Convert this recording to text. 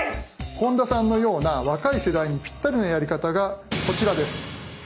本田さんのような若い世代にピッタリのやり方がこちらです。